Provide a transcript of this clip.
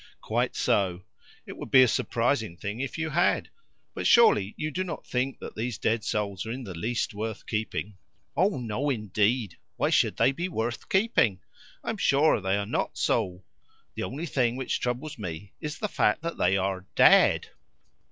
"Quite so. It would be a surprising thing if you had. But surely you do not think that these dead souls are in the least worth keeping?" "Oh, no, indeed! Why should they be worth keeping? I am sure they are not so. The only thing which troubles me is the fact that they are DEAD."